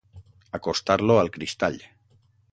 Acostar-lo al cristall.